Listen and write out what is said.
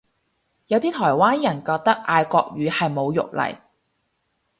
有啲台灣人覺得嗌國語係侮辱嚟